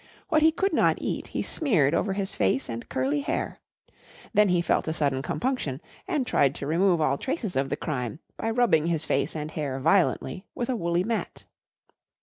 What he could not eat he smeared over his face and curly hair. Then he felt a sudden compunction and tried to remove all traces of the crime by rubbing his face and hair violently with a woolly mat.